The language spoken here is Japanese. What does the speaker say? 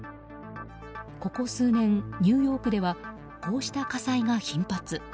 ここ数年、ニューヨークではこうした火災が頻発。